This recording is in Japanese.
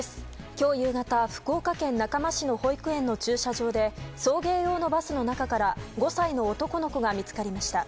今日夕方福岡県中間市の保育園の駐車場で送迎用のバスの中から５歳の男の子が見つかりました。